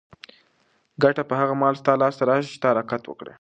ګټه به هغه مهال ستا لاس ته راشي چې ته حرکت وکړې.